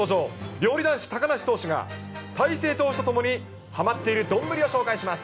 料理男子、高梨投手が、大勢投手と共にはまっている丼を紹介します。